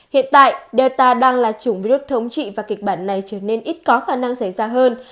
hiện tại data đang là chủng virus thống trị và kịch bản này trở nên ít có khả năng xảy ra hơn